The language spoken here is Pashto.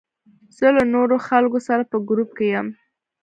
زه له نورو خلکو سره په ګروپ کې یم.